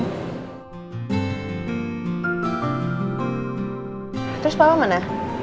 terus papa mana